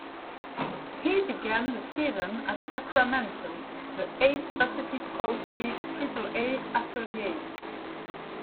He began the season at Sacramento, the A's Pacific Coast League Triple-A affiliate.